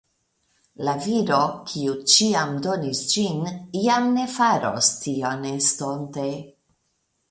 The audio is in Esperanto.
La viro, kiu ĉiam donis ĝin, jam ne faros tion estonte.